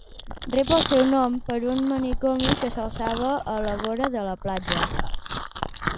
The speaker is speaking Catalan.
Rep el seu nom per un manicomi que s'alçava a la vora de la platja.